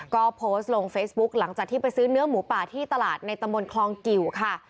ก็โพสต์ลงเฟซบุ๊คหลังจากที่ไปซื้อเนื้อหมูป่าที่ตลาดในตำบลคลองกิวค่ะ